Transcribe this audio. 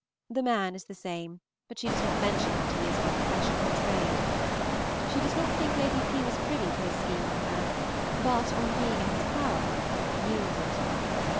The Man is the same; but she does not mention what he is by profession or trade. She does not think Lady P. was privy to his scheme on her, but, on being in his power, yielded.